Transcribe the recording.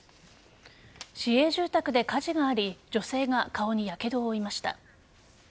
市営住宅で火事があり女性が顔にやけどを負いました。